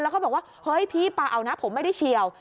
แล้วก็บอกว่าเฮ้ยพี่เปล่าเอานะผมไม่ได้เฉียว